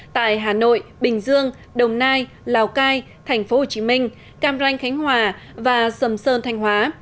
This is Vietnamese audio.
tại hà nội bình dương đồng nai lào cai tp hcm cam ranh khánh hòa và sầm sơn thanh hóa